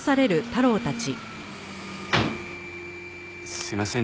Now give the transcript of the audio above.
すいません